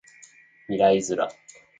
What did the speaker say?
未来ズラ